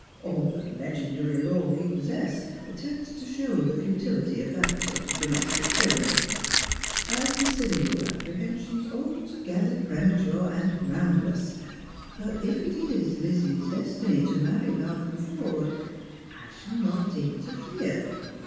All the legendary lore we possess tends to show the futility of that sort of domestic tryanny. I consider your apprehensions altogether premature and groundless ; but if it is Lizzie's destiny to marry Malcolm Forde, I shall not in terfere.